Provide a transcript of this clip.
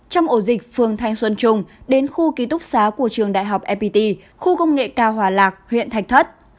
trong ổ dịch phường thanh xuân trung đến khu ký túc xá của trường đại học fpt khu công nghệ cao hòa lạc huyện thạch thất